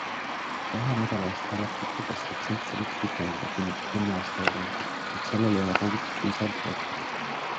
Kahe nädala eest hääletati, kas litsentsi võiks pikendada kümne aasta võrra, kuid sellele ei kogutud piisavalt toetust.